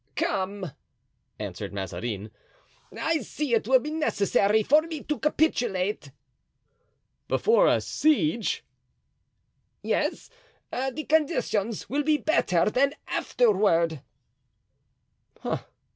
"Come," answered Mazarin, "I see it will be necessary for me to capitulate." "Before a siege?" "Yes; the conditions will be better than afterward."